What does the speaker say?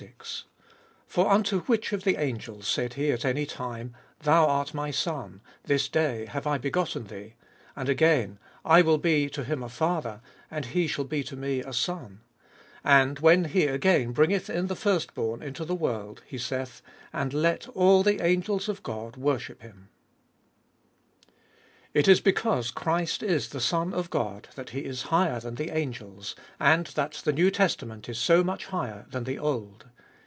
I.— 5. For unto which of the angels said he at any time, Thou art my Son, This day have I begotten thee ? (Ps. ii. 7). and again, I will be to him a Father, And he shall be to me a Son P (2 Sam. vii. 14). 6. And when he again bringeth in the firstborn into the world, he saith, And let all the angels of God worship him (Ps. xcvii. 7). IT is because Christ is the Son of God that He is higher than the angels, and that the New Testament is so much higher than the Old.